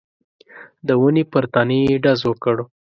د ونې پر تنې يې ډز وکړ.